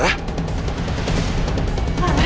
lalu kamu kenapa